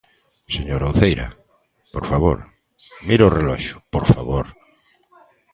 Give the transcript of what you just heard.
Señora Uceira, por favor, mire o reloxo, ¡por favor!